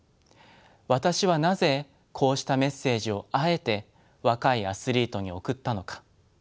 私はなぜこうしたメッセージをあえて若いアスリートに送ったのか。